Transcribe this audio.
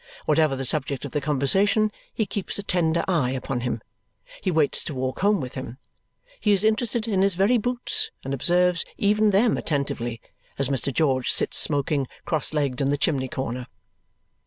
Whatever the subject of the conversation, he keeps a tender eye upon him. He waits to walk home with him. He is interested in his very boots and observes even them attentively as Mr. George sits smoking cross legged in the chimney corner.